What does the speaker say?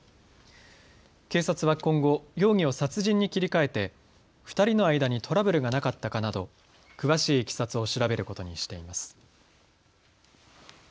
警察は今後、容疑を殺人に切り替えて２人の間にトラブルがなかったかなど詳しいいきさつを調べることにしています。